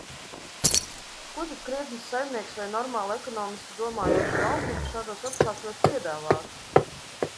Ko tad krietns saimnieks vai normāla ekonomiski domājoša valdība šādos apstākļos piedāvātu?